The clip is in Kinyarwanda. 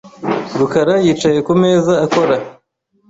rukara yicaye ku meza akora .